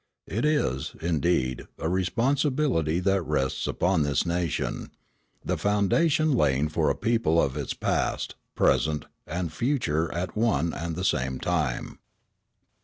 It is, indeed, a responsibility that rests upon this nation, the foundation laying for a people of its past, present, and future at one and the same time.